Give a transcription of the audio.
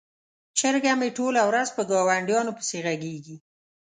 چرګه مې ټوله ورځ په ګاونډیانو پسې غږیږي.